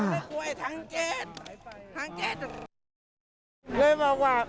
มาลงมาข้างหลังแล้ว